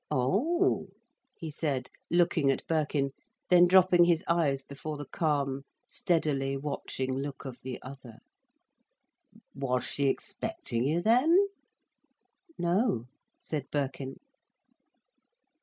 "O oh?" he said, looking at Birkin, then dropping his eyes before the calm, steadily watching look of the other: "Was she expecting you then?" "No," said Birkin.